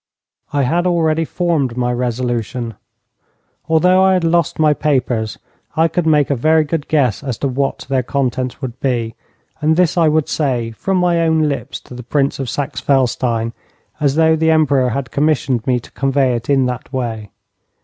I had already formed my resolution. Although I had lost my papers, I could make a very good guess as to what their contents would be, and this I would say from my own lips to the Prince of Saxe Felstein, as though the Emperor had commissioned me to convey it in that way.